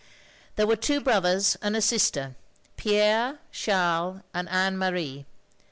"There were two brothers and a sister; Pierre, Charles, and Anne Marie.